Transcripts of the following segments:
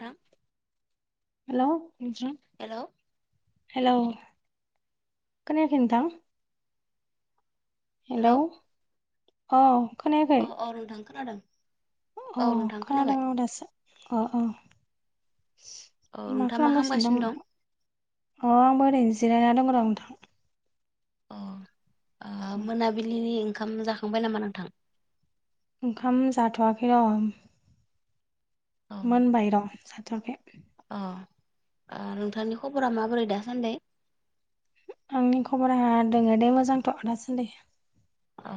दा हेल' नोंथां हेलौ हेल' खोनायाखै नोंथां हेलौ अ खोनायाखै अ नोंथां खोनादों अ औ नोंथां खोनादों खोनाबाय आं दासो अ अ मा खालामगासिनो दं नोंथां अ आंबो ओरैनो जिरायना दंओर नोंथां अ ओ मोनाबिलिनि ओंखाम जाखांबाय नामा नों ओंखाम जाथ'वाखै र' औ मोनबाय र' जाथ'वाखै। अ ओ नोंथांनि खबरा माबोरै दासान्दै? आंनि खबरा दङ दे मोजांथ' दासान्दै। अ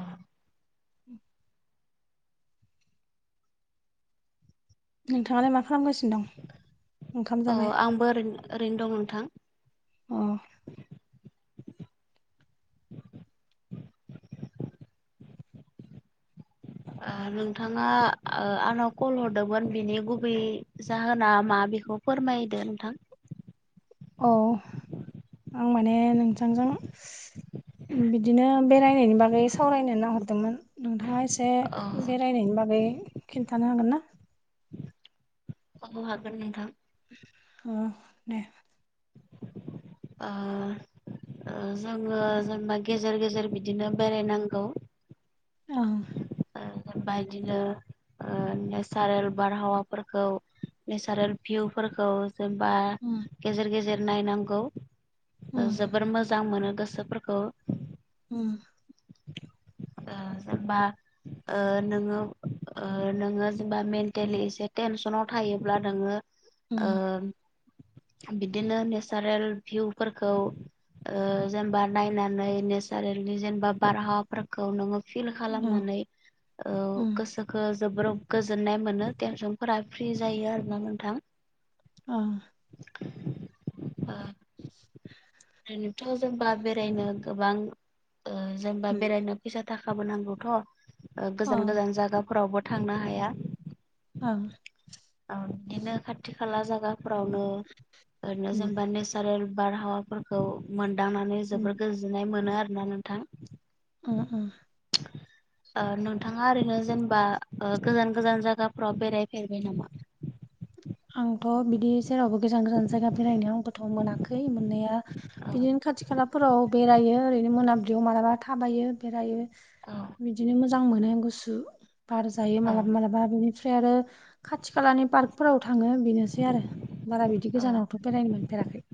नोंथाङालाय मा खालामगासिनो? दं ओंखाम अ जाबाय आंबो ओरै ओरैनो दं नोंथां। अ' [inaudible] आ नोंथाङा ओ आंनाव कल हरदोंमोन बिनि गुबै जाहोना मा बेखौ फोरमायदो नोंथां औ आं माने नोंथांजों बिदिनो बेरायनायनि बागै सावरायनो नो नाहरदोंमोन नोंथाङा एसे औ एसे बेरायनायनि बागै खिन्थानो हागोन ना अ हागोन नोंथां। अ दे ओ ओ जोङो जेनेबा गेजेर गेजेर बिदिनो बेरायनांगौ। अ बायदिनो ओ नेसारेल बारहावाफोरखौ नेचारेल भिउफोरखौ जेनबा गेजेर गेजेर नायनांगौ ओ जोबोर मोज मोजां मोनो गोसोफोरखौ। उ [inaudible] ओ बा ओ नोङो ओ नोङो जेबा मेन्टेलि एसे टेनसनाव थायोब्ला नोङो ओ बिदिनो नेचारेल भिउफोरखौ ओ जेनेबा नायनानै नेसारेल जेनेबा बारहावाफोरखौ नोङो फिल खालामनानै ओ गोसोखौ जोबोर गोजोननाय मोनो टेनसनफोरा फ्रि जायो आरोना नोंथां। अ ओ ओरैनोथ' जेनबा बेरायनो गोबां ओ जेनबा बेरायनो फैसा थाखाबो नांगौथ' ओ गोजान गोजान जायगाफोरावबो थांनो हाया ओं ओ बिदिनो खाथि खाला जायगाफोरावनो ओरैनो जेनेबा नेस सारेल बारहावाफोरखौ मोनदांनानै जोबोर गोजोननाय मोनो आरोना नोंथां। उ उ ओ नोंथाङा ओरैनो जेनेबा ओ गोजान गोजान जायगाफ्राव बेरायफेरबाय नामा आंथ' बिदि जेरावबो गोजान गोजान जायगा बेरायनायाव आंबोथ' मोनाखै मोननाया औ बिदिनो खाथि खालाफोराव बेरायो ओरैनो मोनाबिलियाव मालाबा थाबायो बेरायो औ बिदिनो मोजां मोनो गुसु बार जायो मालाबा औ मालाबा बेनिफ्राय ओमफ्राय आरो खाथि खालानि पार्कफोराव थाङो बेनोसै आरो बारा बिदि बिदि औ गोजानावथ' बेरायनो मोनफेराखै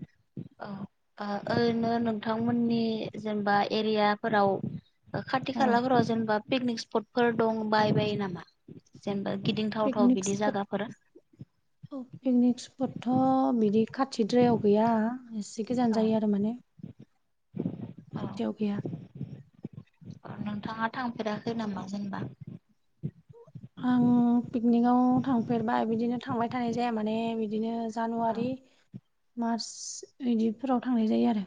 औ ओरैनो नोंथांमोननि जेनेबा एरियाफोराव खाथि औ खालाफोराव जेनेबा पिकनिक स्पटफोर दं बाय बायो नामा जेनेबा गिदिंथावथाव पिकनिक बिदि स्पट जायगाफोर पिकनिक स्पटथ' बिदि खाथिद्रायाव गैया एसे गोजान औ जायो आरो माने खाथियाव गैया नोंथाङा थांफेराखै नामा जेनेबा आं पिकनिकआव थांफेरबाय बिदिनो थांबाय थानाय जाया माने बिदिनो औ जानुवारि मार्च बिदिफोराव थांनाय जायो आरो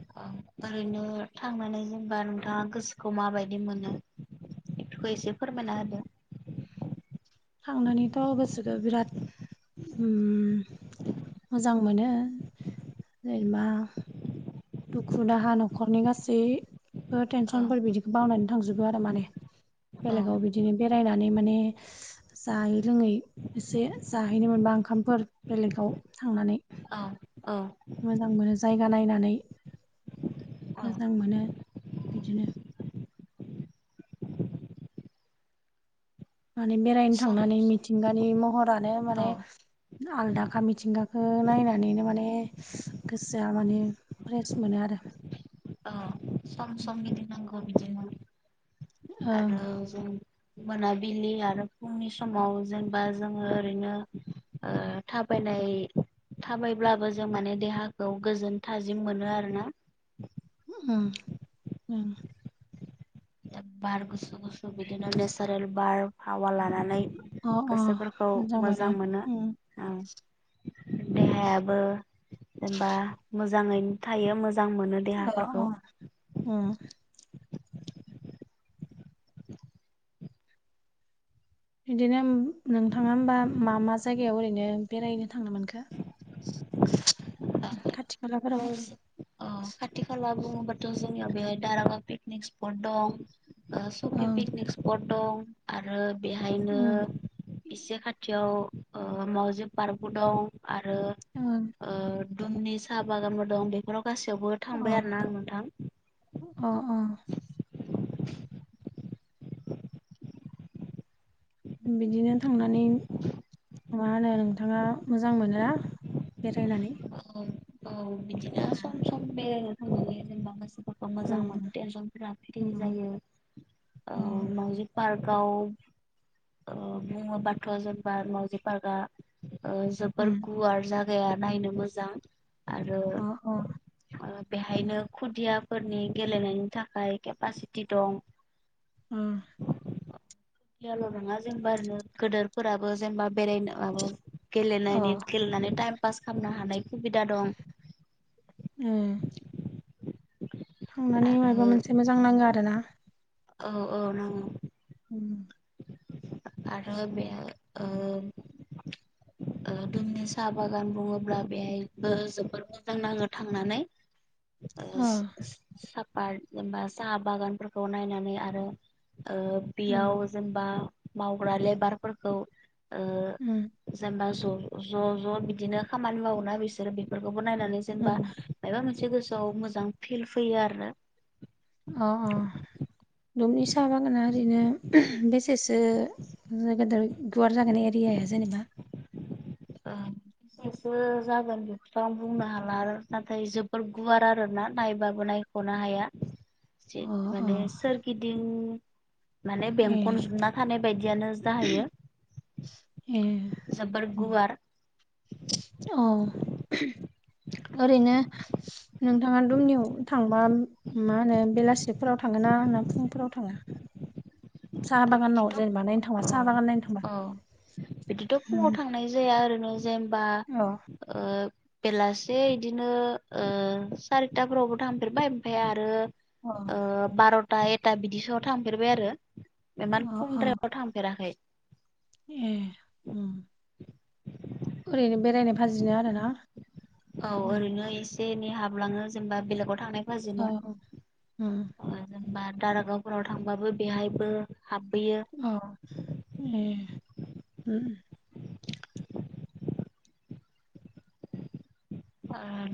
औ ओरैनो थांनानै जेनबा नोंथाङा गोसोखौ माबायदि मोनो बेखौ एसे फोरमायना होदों थांनानैथ' गोसोखौ बिराद ओम मोजां मोनो जेनेबा दुखु दाहा न'खरनि गासैबो औ टेनसनफोर बिदिखौ बावनानै थांजोबो आरो माने बेलेगाव बिदिनो बेरायनानै माने जायै लोङै एसे जाहैनो मोनबा ओंखामफोर बेलेगाव थांनानै औ औ मोजां मोनो जायगा नायनानै औ मोजां मोनो बिदिनो माने बेरायनो सम थांनानै सम मिथिंगानि महरानो औ माने आलदा मिथिंगाखौ नायनानैनो माने गोसोआ माने फ्रेस मोनो आरो औ सम सम गिदिंनांगौ बिदिनो ओं आरो जों मोनाबिलि आरो फुंनि समाव जेनेबा जोङो ओरैनो ओ थाबायनाय थाबायब्लाबो जों माने देहाखौ गोजोन थाजिम मोनो आरोना ओम ओम बार गुसु गुसु बिदिनो नेचारेल बारहावा लानानै अ अ गोसोफोरखौ मोजां मोनो औ देहायाबो जेनेबा मोजाङैनो थायो मोजां मोनो अ' देहाफोरखौ अ' ओम बिदिनो नोंथाङा होमबा मा मा जायगायाव ओरैनो बेरायनो थांनो मोनखो खाथि खाला बि अ खाथि खाला बुङोबाथ' जोंनियाव बेहाय दारागाव पिकनिक स्पट दं सकि ओं पिकनिक स्पट दं आरो बेहायनो उम इसे खाथियाव मावजि पार्कबो दं आरो ओं दुमनि साहा बागानफोर दं बेफोराव गासैयावबो अ थांबाय आरो ना आं नोंथां अ अ बिदिनो थांनानै मा होनो नोंथाङा मोजां मोनो बेरायनानै औ औ बि सम बेलराय थां जेनबा मोजां मोनो टेनसन फोर फ्रि जायो मउजि पार्गाव बुङोबाथ' जेनेबा मावजि पार्कआ जोबोर गुवार जागाया नायनो मोजां आरो। बेहायनो खुदियाफोरनि गेलेनायनि थाखाय केपासिटि दं। अ सल' नङा जेनेबा ओरनो ग गोदोरफोराबो जेनेबा बेरायनोबो गेलेनायनि गेलेनानै टाइम पास खालामनो हानाय सुबिदा दं उम थांनानै माबा आरो मोनसे मोजां नाङो आरो ना। औ औ नंगौ। उम आरो बेयो ओ दुमनि साहा बागान बुङोब्ला बेहायबो जोबोर मोजां नाङो थांनानै [inaudible] आ। सापा जेनबा साहा बागानफोरखौ नायनानै आरो ओ बेयाव जेनेबा मावग्रा लेबारफोरखौ उम जेनेबा ज' ज' ज' बिदिनो खामानि मावोना बिसोरो बेफोरखौबो नायनानै जेनेबा अ मबा मोनसे गोसोआव मोजां फिल फैयो आरोना। अ अ दुमनि साहा बागाना ओरैनो बे सेसो गदेर गुवार जागोनाय एरियाया जेनेबा। ओ बेसो जागोन बेखौथ' आं बुंनो हाला आरो नाथाय जोबद गुवार आरोना नायबाबो नाय ख'नो हाया अ अ माने सोरगिदिं माने ए बेंखन जोबना थानाय बायदियानो जाहैयो ए जाबोरगुवार अ ओरैनो नोंथाङा दुमनियाव थांबा मा होनो बेलासिफोराव थाङ ना होनना फुंफोराव थाङो साहा बागानाव बिदिथ' जेनबा नायनो थाङा औ साहा बागान नायनो थांबा। औ बिदिथ' फुङाव थांनाय जाया नो जेनबा अ ओ बेलासे बिदिनो सारिताफोरावबो थांफेरबाय ओमफफ्राय अ आरो। बार'था एकथा बिदिसोआव थांफेरबाय आरो। इमान अ अ खमद्रआव थांफेराखै ए ओरैनो बेरायनो भाजिनो आरो ना। औ ओरैनो एसे एनै हाबलाङो जेनेबा बेलेगाव थांनाय फाजिनो। औ उम जेनेबा दारागावफोराव थांबाबो बेहायबो हाबबोयो। अ ए उम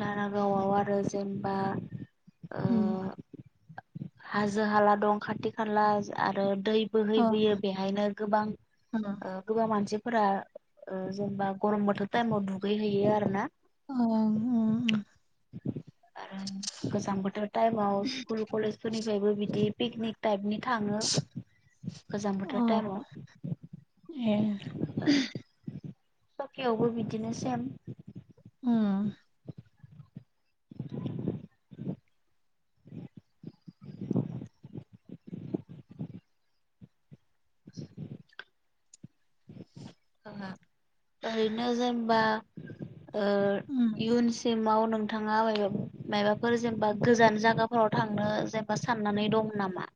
दारागावआव आरो जेनेबा ओ उम [unintelligible] हाजो हाला दं खाथि खाला आरो दै अ बोहैबोयो बेहायनो गोबां उम अ ओ गोबां मानसिफोरा जेनेबा गरम बोथोर टाइमाव दुगैहैयो आरो ना। ओं। [unintelligible] आरो गोजां बोथोर टाइमाव स्कुल कलेज निफ्रायबो बिदि पिकनिक टाइपनि थाङो। गोजां बोथोर अ टाइमाव ए। सकियावबो बिदिनो सेम उम [inaudible] थाङा ओरैनो जेनेबा ओ उम इयुनसिमाव नों थाङा मायबाफोर जेनेबा गोजान जायगाफोराव थांनो जेनेबा साननानै दं नामा?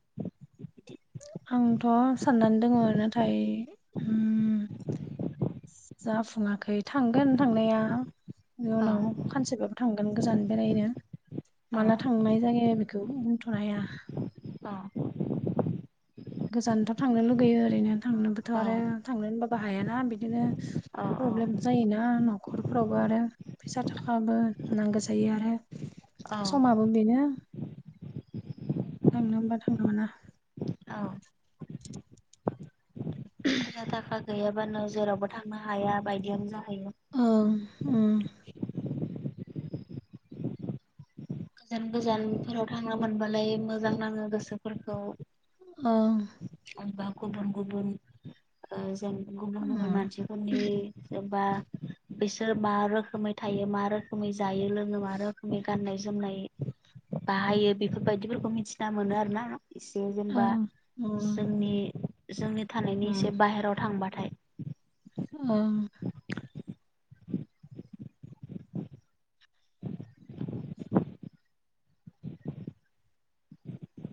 आंथ' साननानै दङ नाथाय उम जाफुङाखै थांगोन थांनाया औ उनाव सानसेबाबो थांगोन गोजान बेरायनो औ माला थांनाय जायो बेखौ बुंथ'नो हाया गोजानथ' थांनो लुगैयो ओरैनो थांनोबोथ' औ आरो थांनो होनबाबो हायाना बिदिनो औ प्रब्लेम जायोना न'खरफोरावबो आरो फैसा थाखाबो नांगौ जायो आरो औ समाबो बेनो थांनो होमबा थांनो मोना औ फैसा थाखा गैयाबानो जेरावबो थांनो हाया बायदियानो जाहैयो ओं उम गोजान गोजानफोराव थांनो मोनबालाय मोजां नाङो गोसोफोरखौ ओं थामहिनबा गुबुन गुबुन ओ जों गुबुन गुबुन उम मानसिफोरनि जेनबा बिसोर मा रोखोमै थायो मा रोखोमै जायो लोङो मा रोखोमै गाननाय जो जोमनाय बाहायो बेफोरबायदिफोरखौ मिथिना मोनो आरो ना इसे जेनेबा ओं जोंनि जोंनि थानायनि उम एसे बाहेराव थांबाथाय ओं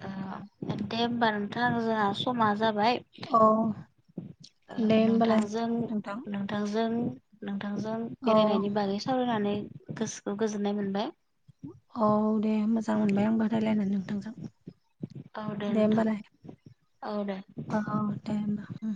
ओ दे होमबा नोंथां जोंहा समा जाबाय औ ओ दे होमबालाय नोंथांजों नोंथां नों थांजों नोंथांजों औ बेरायनायनि बागै सावरायनानै गोसोखौ गोजोननाय मोनबाय औ दे मोजां मोनबाय आंबो रायज्लायनानै नोंथांजों औ दे नोंथां होमबालाय औ दे औ दे होमबा